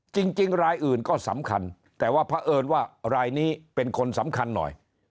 จริงรายอื่นก็สำคัญแต่ว่าเพราะเอิญว่ารายนี้เป็นคนสำคัญหน่อย